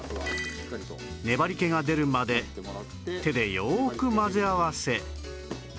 粘り気が出るまで手でよーく混ぜ合わせ